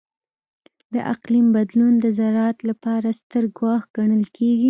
د اقلیم بدلون د زراعت لپاره ستر ګواښ ګڼل کېږي.